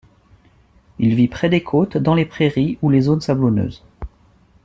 Il vit près des côtes, dans les prairies ou les zones sablonneuses.